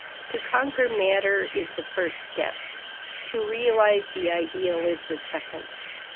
To conquer matter is the first step; to realize the ideal is the second.